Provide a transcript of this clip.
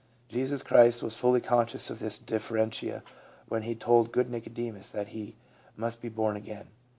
Jesus Christ was fully conscious of this differentia when He told good Nicodemus that he must be born again.